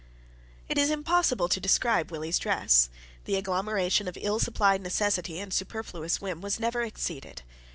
It is impossible to describe Willie's dress: the agglomeration of ill supplied necessity and superfluous whim was never exceeded.